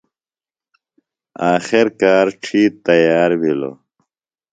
آخر کار ڇِھیتر تیار بِھلوۡ۔